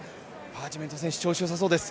パーチメント選手、調子よさそうです、